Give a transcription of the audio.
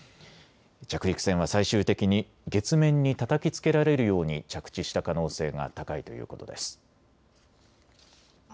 着陸船は最終的に月面にたたきつけられるように着地した可能性が高いということです。